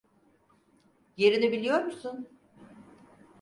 Yerini biliyor musun?